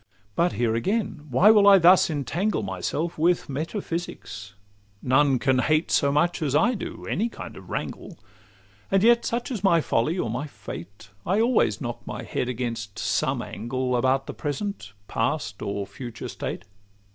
But here again, why will I thus entangle Myself with metaphysics? None can hate So much as I do any kind of wrangle; And yet, such is my folly, or my fate, I always knock my head against some angle About the present, past, or future state.